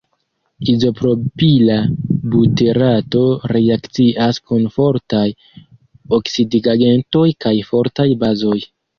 Izopropila buterato reakcias kun fortaj oksidigagentoj kaj fortaj bazoj.